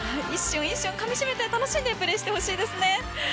一瞬一瞬、かみしめて楽しんでプレーしてほしいですね。